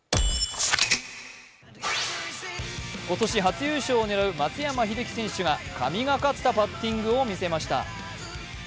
今年初優勝を狙う松山英樹選手が神がかったパッティングを見せました。